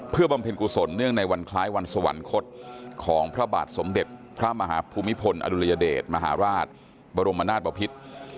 เพื่อบำเพ็ญกุศลเนื่องในวันคล้ายวันสวรรคตของพระบาทสมเด็จพระมหาภูมิพลอดุลยเดชมหาราชบรมนาศบพิษ